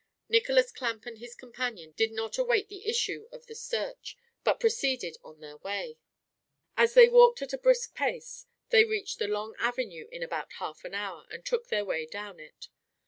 Nicholas Clamp and his companion did not await the issue of the search, but proceeded on their way. As they walked at a brisk pace, they reached the long avenue in about half an hour, and took their way down it.